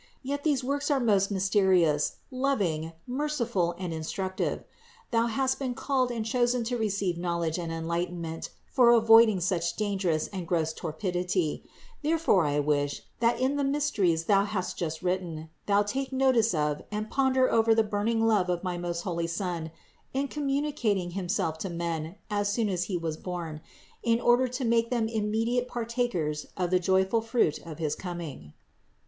Yet these works are most mysterious, loving, merciful and in 418 CITY OF GOD structive. Thou hast been called and chosen to receive knowledge and enlightenment for avoiding such dan gerous and gross torpidity; therefore I wish, that in the mysteries thou hast just written, thou take notice of and ponder over the burning love of my most holy Son in com municating Himself to men as soon as He was born, in order to make them immediate partakers of the joyful fruit of his coming.